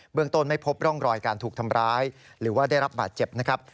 เมืองต้นไม่พบร่องรอยการถูกทำร้ายหรือว่าได้รับบาดเจ็บนะครับ